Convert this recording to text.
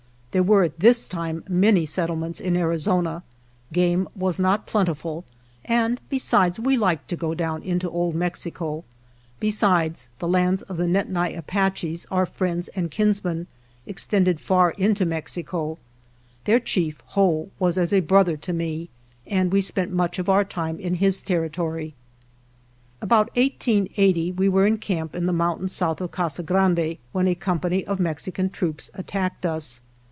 There were at this time many settlements in Arizona; game was not plentiful, and besides we liked | to go down into Old Mexico. Besides, the J lands of the Nedni Apaches, our friends and kinsmen, extended far into Mexico. Their Chief, Whoa, was as a brother to me, and 101 GERONIMO we spent much of our time in his terri tory. About 1880 we were in camp in the moun tains south of Casa Grande, when a com pany of Mexican troops attacked us.